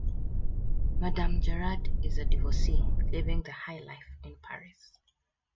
Madame Gerard is a divorcee living the high life in Paris.